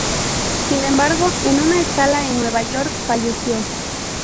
Sin embargo, en una escala en Nueva York falleció.